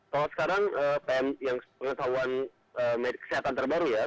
kalau sekarang pm yang pengetahuan kesehatan terbaru ya